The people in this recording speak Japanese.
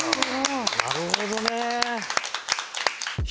なるほどね。